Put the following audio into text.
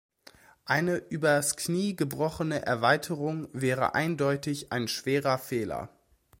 Eine übers Knie gebrochene Erweiterung wäre eindeutig ein schwerer Fehler.